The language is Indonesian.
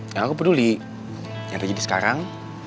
yang aku peduli yang terjadi sekarang